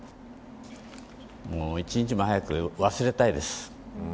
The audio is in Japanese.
一日も早く、忘れたいです。